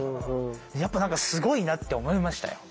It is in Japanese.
やっぱ何かすごいなって思いましたよ。